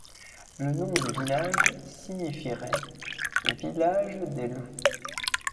Le nom du village signifierait ‘village des loups’.